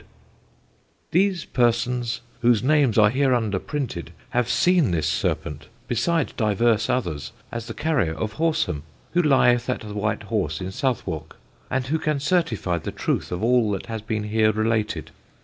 [Sidenote: SIGNED AND WITNESSED] "These persons, whose names are hereunder printed, have seene this serpent, beside divers others, as the carrier of Horsam, who lieth at the White Horse in Southwarke, and who can certifie the truth of all that has been here related.